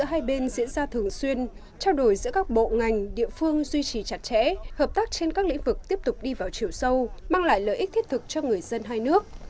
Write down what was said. hai bên diễn ra thường xuyên trao đổi giữa các bộ ngành địa phương duy trì chặt chẽ hợp tác trên các lĩnh vực tiếp tục đi vào chiều sâu mang lại lợi ích thiết thực cho người dân hai nước